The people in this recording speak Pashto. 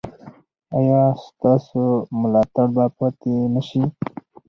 ایا ستاسو ملاتړ به پاتې نه شي؟